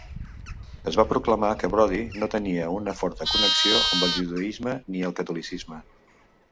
Es va proclamar que Brody no tenia "una forta connexió" amb el judaisme ni el catolicisme.